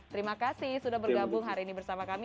terima kasih sudah bergabung hari ini bersama kami